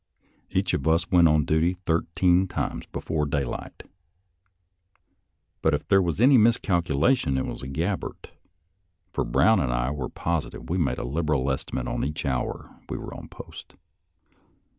Each of us went on duty thirteen times before daylight; but if there was any mis calculation it was by Gabbert, for Brown and I were positive we made a liberal estimate on each hour we were on post.